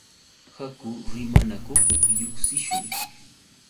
Haku rimanakuq lluqsishun.